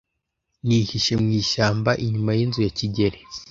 Nihishe mu ishyamba inyuma yinzu ya kigeli.